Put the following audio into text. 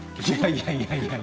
いやいやいや。